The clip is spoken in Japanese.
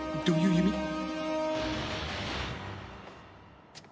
どういう意味？